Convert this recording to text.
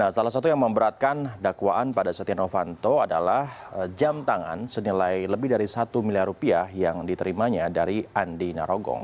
salah satu yang memberatkan dakwaan pada setia novanto adalah jam tangan senilai lebih dari satu miliar rupiah yang diterimanya dari andi narogong